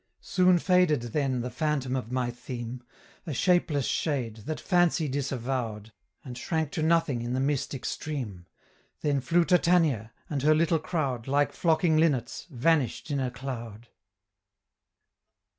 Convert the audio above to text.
Soon faded then the Phantom of my theme A shapeless shade, that fancy disavowed, And shrank to nothing in the mist extreme, Then flew Titania, and her little crowd, Like flocking linnets, vanished in a cloud.